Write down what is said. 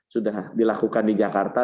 sudah dilakukan di jakarta